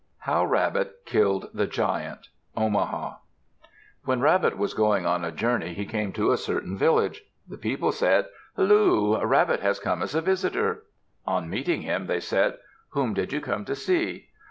HOW RABBIT KILLED THE GIANT Omaha When Rabbit was going on a journey, he came to a certain village. The people said, "Halloo! Rabbit has come as a visitor." On meeting him, they said, "Whom did you come to see?"